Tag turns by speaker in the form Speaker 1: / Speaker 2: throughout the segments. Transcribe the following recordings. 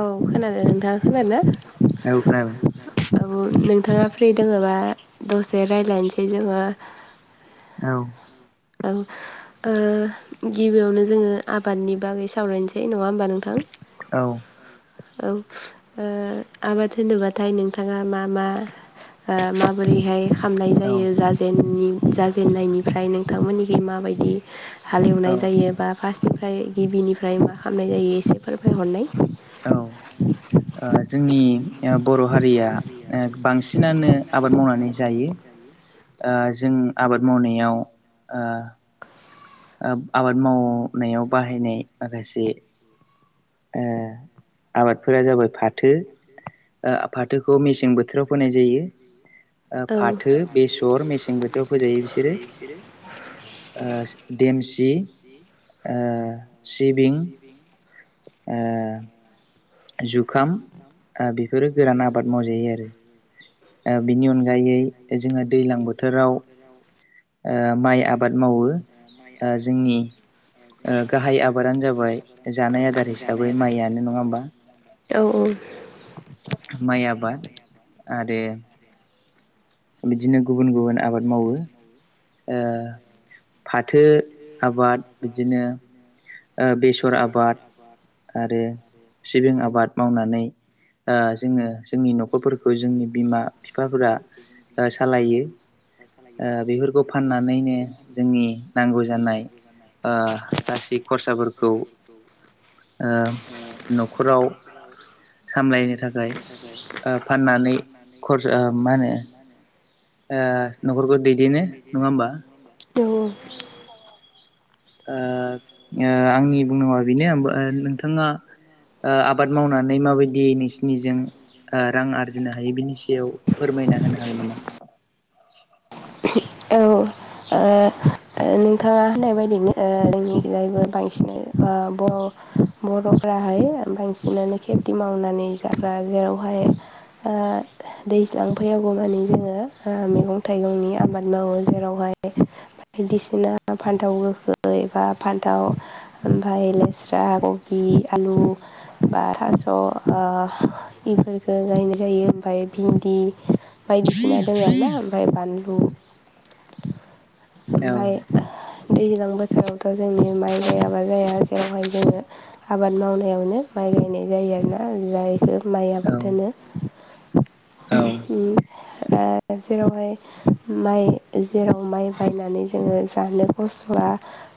Speaker 1: औ खोनादों नोंथाङा खोनादों ना औ नोंथाङा फ्रि दोङोबा दसे रायज्लायनोसै जोङो
Speaker 2: औ
Speaker 1: औ ओ गिबियावनो जोङो आबादनि बागै सावरायनोसै नङा होमबा नोंथां
Speaker 2: औ।
Speaker 1: औ ओ आबाद होनोबाथाय नोंथाङा मा मा? ओ माबोरैहाय खामनाय जायो जाजेन जाजेननायनिफ्राय नोंथांमोननिखै माबायदि हालेवनाय जायो बा फार्स्टनिफ्राय गिबिनिफ्राय मा खालामनाय जायो एसे फोरमायहरनाय
Speaker 2: बर' हारिया बांसिनानो आबाद मावनानै जायो। ओ जों आबाद मावनायाव ओ आबाद मावनायाव बाहायनाय माखासे ओ आबादफोरा जाबाय फाथो फाथो। बेखौ मेसें बोथोराव फोनाय जायो फाथो बेसर मेसें बोथोराव फोजायो बिसोरो ओ देमसि ओ सिबिं ओ जु
Speaker 1: जुखाम
Speaker 2: बेफोरो गोरान आबाद मावजायो आरो बिनि अनगायै जोंहा दैलां बोथोर आव माइ आबाद मावो। जोंनि गाहाय आबादानो जाबाय जानाय आदार हिसाबै माइयानो। नङा होमबा माइ आबाद आरो। बिदिनो गुबुन गुबुन आबाद मावो आ। फाथो आबाद बिदिनो बेसर आबाद। आरो सिबिं आबाद मावनानै। जोङो जोंनि न'खरफोरखौ जोंनि बिमा बिफाफोरा। सालायो ओ बेफोरखौ फाननानैनो जोंनि नांगौ जानाय ओ गासै खरसाफोरखौ आ न'खराव। सामलायनो थाखाय ओ फाननानै
Speaker 1: फाननानै हरब्ला आ मा होनो। औ।
Speaker 2: आ आ आंनि बुंनांगौया बेनो नोंथाङा। ओ आबाद मावनानै माबायदि नोंसिनिजों। रां आरजिनो हायो बिनि सायाव फोरमायना होनो हागोन नामा?
Speaker 1: औ ओ। नोंथाङा होननाय बायदिनो जोंनिायबो बांसिन बर बर'फ्रा बांसिनानो खेथि मावनानै जाग्रा जेरावहाय ओ दैज्लां लांफैयौ माने जोङो मैगं थाइगंनि आबाद मावो जेरावहाय बायदिसिना फान्थाव गोखै बा फान्थाव ओमफ्राय लेस्रा' खबि, आलु बा थास' बेफोरफोरखौ गायनाय जायो ओमफ्राय भिन्दि बायदिसिना दङ आरो ना ओमफ्राय बानलु ओमफ्राय दैज्लां बोथोराव थ' जोंनि माइ गायाबा जाया। बोयावहाय जोङो आबाद मावनायावनो माइ गायनाय जायो आरोना जायखौ। माइ आबादानो आ जेरावहाय माइ जेराव माइ बायनानै जोङो जानो खस्थ'आ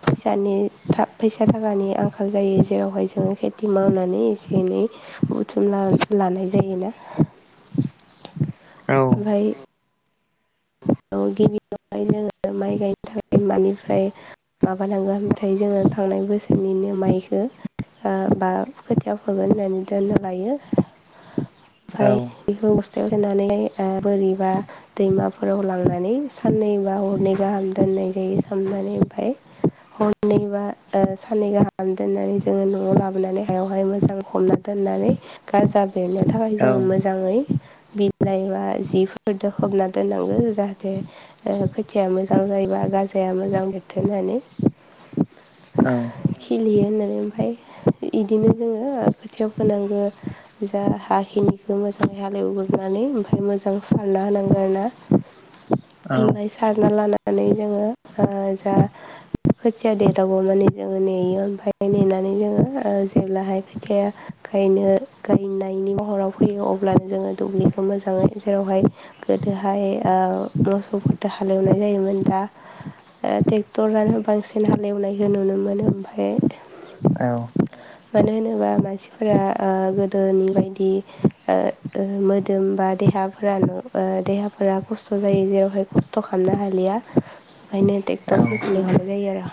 Speaker 1: फैसानि फैसा थाखानि आंखाल जायो जेरावहाय जोङो खेथि मावनानै एसे एनै बुथुमला। लानाय जायोना ओमफ्राय औ गिबि खेबावहाय जोङो माइ गायनो थाखाय मानिफ्राय माबानांगौ होनथाय जोङो थांनाय बोसोरनिनो माइखौ। बा खोथि होगोन होननानै दोननो लायो। ओमफ्राय बेखौ बस्थायाव दनानै बोरिबा दैमा फोराव लांनानै साननैबा हरनै गाहाम दोननाय जायो सोमनानै ओमफ्राय हननै बा साननै गाहाम दोननानै जोङो न'आव लाबोनानै हायावहाय मोजां हमना दोन नानै गाजा बेरनो थाखाय जों मोजाङै बिलाइ बा जिफोर दोखोबनानै दोननांगौ जाहाथे खोथिया मोजां जायोबा गाजाया मोजां बेरथे होननानै
Speaker 2: औ
Speaker 1: होननानै ओमफाय इदिनो जोङो खोथिया फोनांगो जा हाखिनिखौ मोजाङै हालेवग्रोनानै ओमफाय मोजां सारना होनांग आरो ना ओमफाय सारना लाना नानै जोङो ओ जा खोथिया देदावो माने जोङो नेयो ओमफाय नेना नै जोङो ओ जेब्लाहाय खोथियाया गायनो गायनायनि महराव फैयो अब्लानो जों दुब्लिखौ मोजाङै जेरावहाय गोदो हाय ओ मोसौफोरदो हालेवनाय जायोमोन दा ओ टेक्टरानो बांसिन हालेवनायखो नुनो मोनो ओमफाय
Speaker 2: औ
Speaker 1: मानो होनोबा मानसिफोरा ओ गोदोनि बायदि ओ मोदोम बा देहाफोरानो ओ देहा फोरा खस्थ' जायो जेरावहाय खस्थ' खामनो हालिया ओंखायनो टेक्टरफोरखौ लिंहरनाय जायो आरो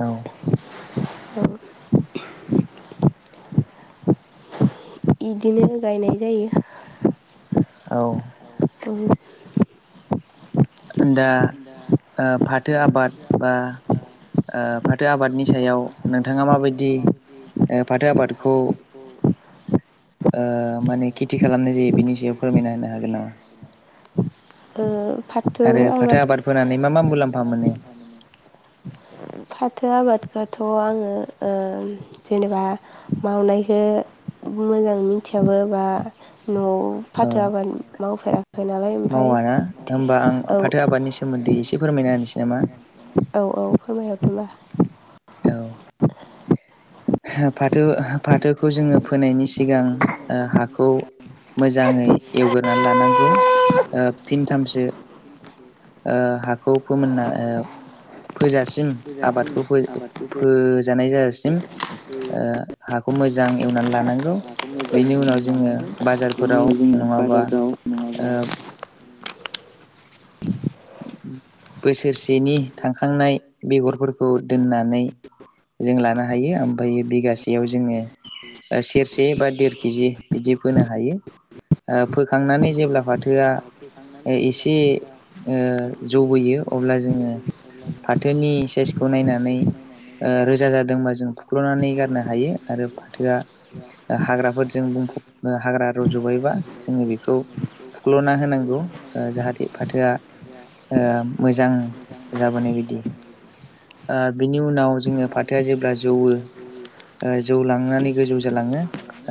Speaker 2: ओ
Speaker 1: औ
Speaker 2: [inaudible]
Speaker 1: इदिनो गायनाय जायो [unintelligible]
Speaker 2: दा ओ फाथो आबाद बा ओ फाथो आबादनि सायाव नोंथाङा माबायदि ओ फाथो आबादखौ ओ माने खेति खालामनाय जायो बिनि सायाव फोरमायना होनो हागोन नामा?
Speaker 1: ओ फाथो आबाद फाथो आबादखोथ' आं ओ ओ जेनेबा मावनायखो मोजां मिथियाबो बा न'वाव फाथोआ आबाद मावफेराखै नालाय ओमफाय
Speaker 2: होनबा आं फाथो आबादनि सोमोनदै इसे फोरमायना होनोसै नामा औ फाथो फाथोखौ जोङो फोनायनि सिगां ओ हाखौ मोजाङै एवगोरनानै लानांगौ ओ फिनथामसो ओ हाखौ फोमोनना ओ फोजा सिम आबादखौ फो फो जानाय जाजासिम हाखौ मोजां एवनानै लानांगौ बेनि उनाव जोङो बाजारफोराव नङाबा ओ बोसोरसेनि थांखांनाय बेगरफोरखौ दोननानै जों लानो हायो ओमफाय बिगासेयाव जोङो ओ सेरसे बा देर केजि बिदि बोनो हायो ओ फोखांनानै जेब्ला फाथोआ ओ इसे ओ जौबोयो अब्ला जोङो फाथोनि साइसखौ नायनानै ओ रोजा जादोंबा जों फुख्ल'नानै गारनो हायो आरो फाथोआ हाग्राफोरजों बुंफब हाग्रा रज'बायबा जोङो बेखौ फुख्ल'ना होनांगौ जाहाथे फाथोआ ओ मोजां जाबोनाय बायदि ओ बिनि उनाव जोङो फाथोआ जेब्ला जौवो ओ जौलांनानै गोजौ जालाङो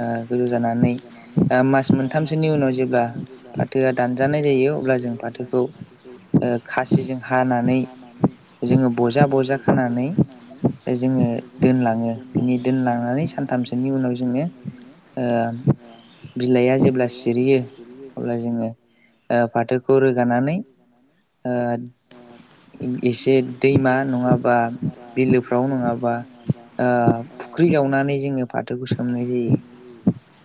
Speaker 2: ओ गोजौ जानानै मास मोनथामसोनि उनाव जेब्ला फाथोआ दानजानाय जायो अब्ला जों फाथोखौ। ओ खासिजों हानानै जोङो बजा बजा खानानै जोङो दोनलाङो बिनि दोनलांनानै सानथामसोनि उनाव जोङो ओ बिलाइआ जेब्ला सिरियो अब्ला जोङो ओ फाथोखौ रो
Speaker 1: [inaudible]
Speaker 2: ओ एसे दैमा नङाबा बिलोफ्राव नङाबा ओ फुख्रि जावनानै जोङो फाथोखौ सोमनाय जायो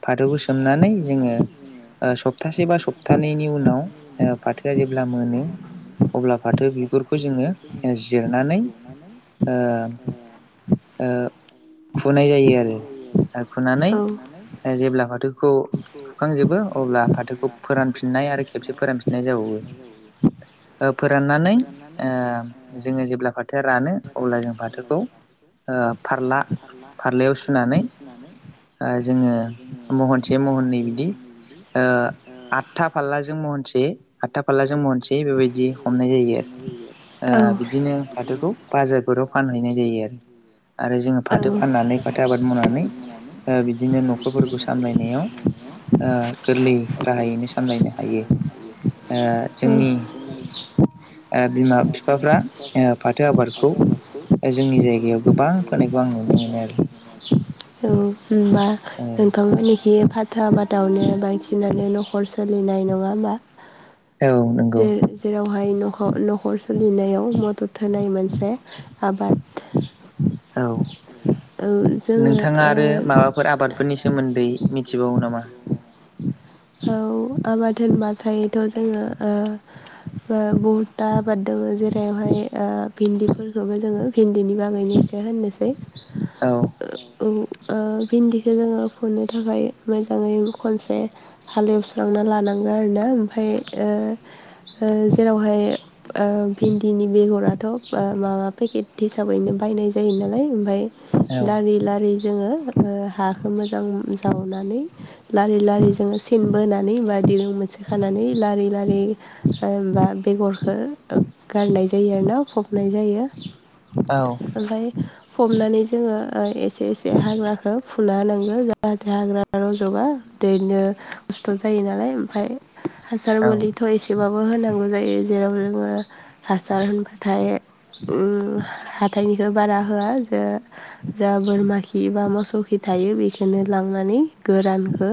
Speaker 2: फाथोखौ सोमनानै जोङो। ओ सप्तासे बा सप्तानैैनि उनाव ओ फाथोआ जेब्ला मोनो अब्ला फाथो बिगुरखौ जोङो जिरनानै। ओ खुनाय जायो आरो। ओ खुनानै जेब्ला फाथोखौ खुखांजोबो। अब्ला फाथोखौ फोरानफिननाय आरो खेबसे फोरानफिननाय जाबावो। ओ फोराननानै ओ जोङो जेब्ला फाथोआ रानो अब्ला जों फाथोखौ। ओ फारला फारलायाव सुनानै ओ जोङो महनसे महनै बिदि। ओ आठथा फारलाजों महनसे आठथा फारला जों मनसे बेबायदि हमनाय जायो आरो। ओ बिदिनो फाथोखौ बाजारफोराव फानहैनाय जायो आरो। आरो जोङो फाथो फाननानै फाथो आबाद मावनानै बिदिनो न'खरफोरखौ सामलायनायाव। ओ गोरलै राहायैनो सामलायनो हायो ओ जोंनि ओ बिमा बिफाफ्रा ओ फाथो आबादखौ। जोंनि जायगायाव गोबां फोनायखौ आं नुनो मोनो आरो।
Speaker 1: औ होनबा नोंथांमोननिखि। नोथा [unintelligible] थावनो बांसिनानो न'खर सोलिनाय नङा होमबा
Speaker 2: औ नंगौ।
Speaker 1: बेवहाय न'खर सोलिनायाव मदद होनाय मोनसे आबाद। [inaudible] जोङो
Speaker 2: बे माबाफोर आबादफोरनि सोमोन्दै मिथिबावो नामा?
Speaker 1: औ आबाद होनबाथायथ' जोङो ओ। ओ बहुतथा आबाद दङ जेरैहाय भिन्दिफोरखौबो जोङो भिन्दिनि बागैनो। एसे होननोसै।
Speaker 2: औ।
Speaker 1: औ भिन्दिखौ जोङो फुनो थाखाय मोजाङै खनसे हाले एवस्रांना। लानांगोआरोना ओमफ्राय ओ जेरावहाय ओ भिन्दिनि बेगराथ' माबा पेकेट हिसाबैनो बा बायनाय जायो नालाय ओमफ्राय लारि लारि जोङो हाखौ मोजां जावनानै लारि लारि जोङो सिन बोनानै बायदि मोनसे खा लारि लारि बेगरखौ गारनाय जायो आरोना फबनाय जा बेयो [unintelligible] ओमफ्राय हमनानै जोङो ओ एसे एसे हाग्राखौ फुना होनांगौ जाहाथे हाग्रा रज'बा दैेरनो खस्थ' जा मोनोलाय ओमफाय हासार मोनोथ' एसेबाबो। बो होनांगौ जायो जेराव जोङो हासार होनबाथाय। उम हाथायनिखौ बारा होआ जों बोरमा खि बा मोसौ खि थायो बेखोनो लांनानै गोरानखौ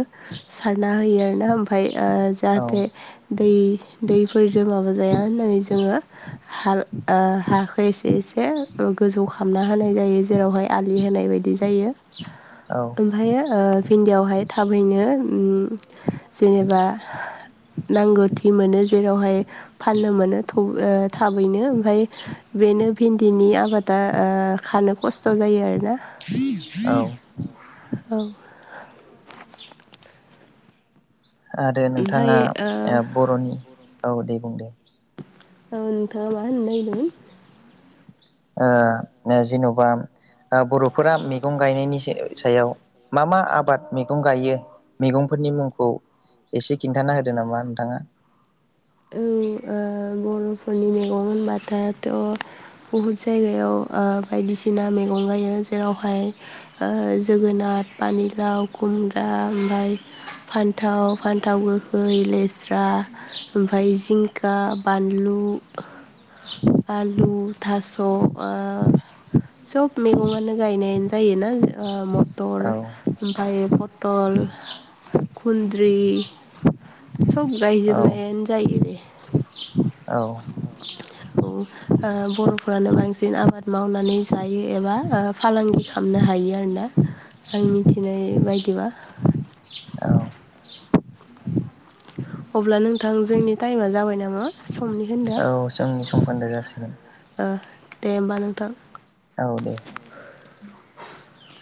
Speaker 1: सारना होयो आरो ना ओमफाय ओ जाहाथे दै दैफोरजों माबा जाया होननानै जोङो हा ऐ हाखौ एसे ए से गोजौ खालामना होनाय जायो जेरावहाय आगलि होनाय। बेबायदि जायो ओमफ्रायो। फिनदायावहाय थाबैनो ओम जेनेबा नांगौथि मोनो जेरावहाय फाननो मोनो थ थाबैनो ओमफाय बेनो भिन्दिनि आबादा ओ खानो खस्थ' जायो आरोना
Speaker 2: औ [inaudible]
Speaker 1: औ [inaudible]
Speaker 2: आरो नोंथाङा ओ बर'नि औ दे बुं दे
Speaker 1: औ नोंथाङा मा होननो नागिरदोंमोन?
Speaker 2: ओ जेन'बा बर'फोरा मैगं गायनायनि सायाव मा मा आबाद मैगं गायो मैगंफोरनि मुंखौ एसे खिन्थाना होदो नामा नोंथाङा
Speaker 1: ओ ओम बर'फोरनि मेगं होनबाथायाथ' बुहुद जायगायाव बायदिसिना मैगं गायो जेरावहाय ओ जोगोनार आबाद पानि लाव खुमब्रा ओमफ्राय फान्थाव फान्थाव गोखै लेस्रा ओमफाय जिंका बानलु आलु थास' आरो सब मैगंआनो गायनायानो जायोना मटर ओमफ्राय पथल खुन्द्रि सब गायजोबनायानो जायो दे
Speaker 2: औ
Speaker 1: बर'फ्रानो बांसिन आबाद मावनानै जायो एबा फालांगि खालामनो हायो आरोना आं मिथिनाय बायदिबा
Speaker 2: औ
Speaker 1: अब्ला नोंथां जोंनि टाइमा जाबाय नामा समनि होनदो दे होमबा नोंथां
Speaker 2: औ दे।
Speaker 1: [inaudible]